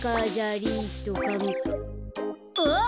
あっ！